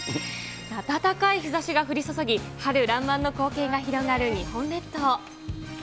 暖かい日ざしが降り注ぎ、春らんまんの光景が広がる日本列島。